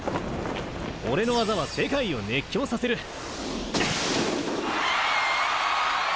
俺の技は世界を熱狂させる！